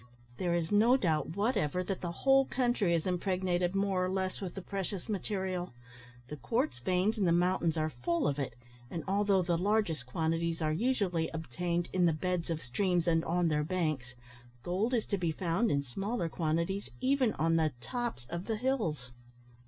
There is no doubt whatever, that the whole country is impregnated more or less with the precious material. The quartz veins in the mountains are full of it; and although the largest quantities are usually obtained in the beds of streams and on their banks, gold is to be found, in smaller quantities, even on the tops of the hills.